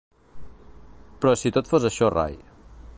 Però si tot fos això rai.